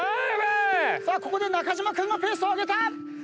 さあここで中島君がペースを上げた。